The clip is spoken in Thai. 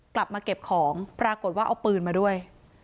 กลับมาเก็บของปรากฏว่าเอาปืนมาด้วย